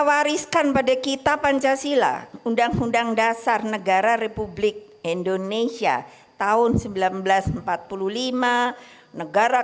wariskan pada kita pancasila undang undang dasar negara republik indonesia tahun seribu sembilan ratus empat puluh lima negara